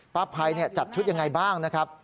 ภัยจัดชุดยังไงบ้างนะครับ